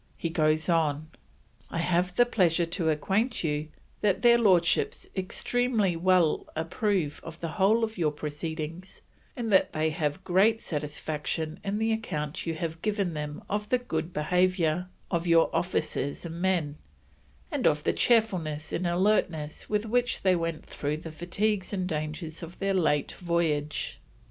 He goes on: "I have the pleasure to acquaint you that their Lordships extremely well approve of the whole of your proceedings and that they have great satisfaction in the account you have given them of the good behaviour of your officers and men and of the cheerfulness and alertness with which they went through the fatigues and dangers of their late Voyage."